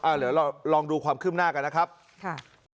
อ่าเหลือเราลองดูความคืบหน้ากันนะครับค่ะ